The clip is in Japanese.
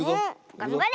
がんばれ。